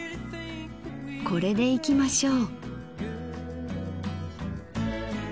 これでいきましょう。